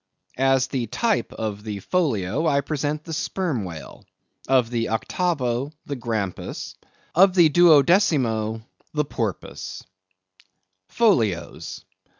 As the type of the FOLIO I present the Sperm Whale; of the OCTAVO, the Grampus; of the DUODECIMO, the Porpoise. FOLIOS.